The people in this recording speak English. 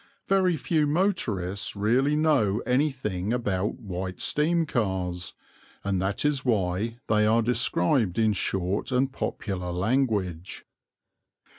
Very few motorists really know anything about White steam cars, and that is why they are described in short and popular language.